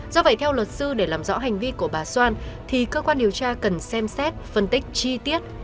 do vậy theo luật sư để làm rõ hành vi của bà xoan thì cơ quan điều tra cần xem xét phân tích chi tiết